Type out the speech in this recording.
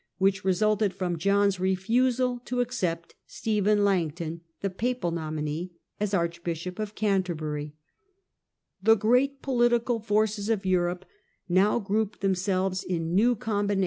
which resulted from John's refusal to accept Stephen Langton, the papal nominee, as Archbishop of Canterbury. The great political forces of Europe now grouped themselves in new combinations. PHILIP AUGUSTUS, LOUIS VIII.